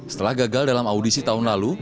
setelah gagal dalam audisi tahun lalu